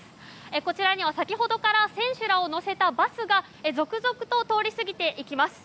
こちらには先ほどから選手らを乗せたバスが続々と通り過ぎていきます。